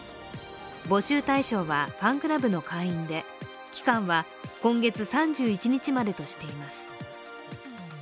募集対象はファンクラブの会員で期間は今月３１日までとしています。